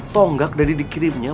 tonggak dari dikirimnya